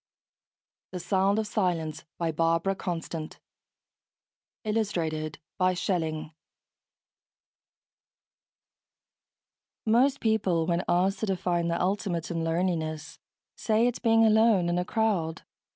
THE SOUND OF SILENCE BY BARBARA CONSTANT Most people, when asked to define the ultimate in loneliness, say it's being alone in a crowd.